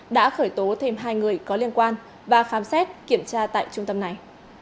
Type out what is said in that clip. đã khởi tố thêm hai người có liên quan và khám xét kiểm tra tại trung tâm này